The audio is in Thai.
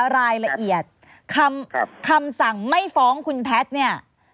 รายละเอียดคำสั่งไม่ฟ้องคุณแพทย์เนี่ย